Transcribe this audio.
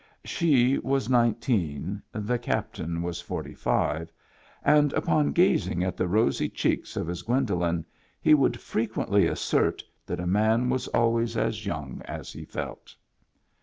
She was nineteen, the captain was forty five, and upon gazing at the rosy cheeks of his Gwen dolen he would frequently assert that a man was always as young as he felt.